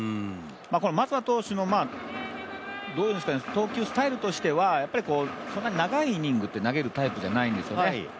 この松葉投手の投球スタイルとしてはそんなに長いイニングを投げる投手じゃないんですよね。